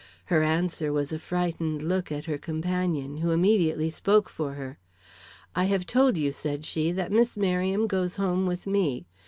Her answer was a frightened look at her companion who immediately spoke for her. 'I have told you,' said she, 'that Miss Merriam goes home with me.